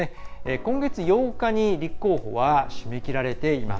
今月８日に立候補は締め切られています。